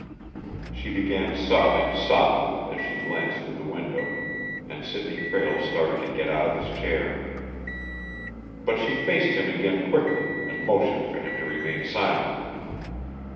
She began sobbing softly as she glanced through the window, and Sidney Prale started to get out of his chair. But she faced him again quickly and motioned for him to remain silent.